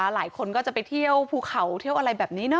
หลายคนก็จะไปเที่ยวภูเขาเที่ยวอะไรแบบนี้เนอ